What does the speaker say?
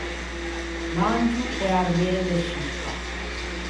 Mangio e armelle de succa.